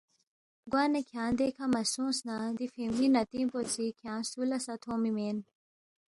گوانہ کھیانگ دیکھہ مہ سونگس نہ دی فِینگمی نَتِنگ پو سی کھیانگ سُو لہ سہ تھونگمی مین